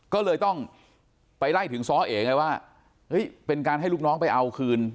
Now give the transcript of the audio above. ก็เลยต้องไปไล่ถึงซ้อเอไงว่าเป็นการให้ลูกน้องไปเอาคืน